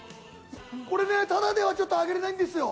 ただではちょっとあげれないんですよ。